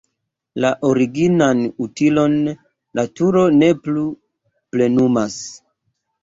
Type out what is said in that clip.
La originan utilon la turo ne plu plenumas.